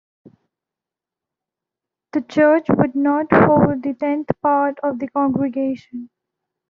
The church would not hold the tenth part of the congregation.